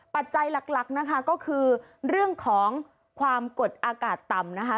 ปัจจัยหลักนะคะก็คือเรื่องของความกดอากาศต่ำนะคะ